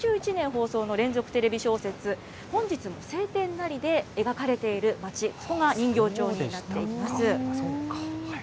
放送の連続テレビ小説、本日も晴天なりで描かれている町、ここが人形町になっています。